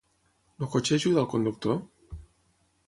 El cotxe ajuda al conductor?